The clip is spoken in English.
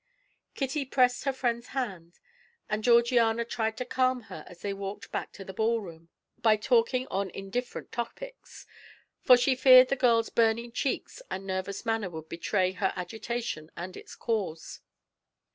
Kitty pressed her friend's hand, and Georgiana tried to calm her as they walked back to the ball room, by talking on indifferent topics, for she feared the girl's burning cheeks and nervous manner would betray her agitation and its cause.